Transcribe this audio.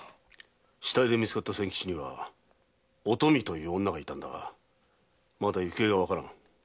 死体で見つかった仙吉には“おとみ”という女がいたんだがまだ行方がわからぬ。